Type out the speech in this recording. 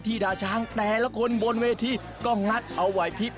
ดาช้างแต่ละคนบนเวทีก็งัดเอาไหวพิษ